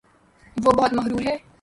وہ بہت مغرور ہےـ